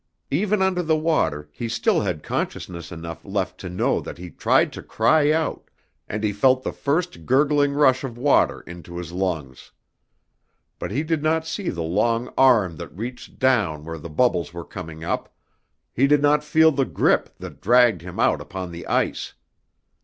Even under the water he still had consciousness enough left to know that he tried to cry out, and he felt the first gurgling rush of water into his lungs. But he did not see the long arm that reached down where the bubbles were coming up, he did not feel the grip that dragged him out upon the ice.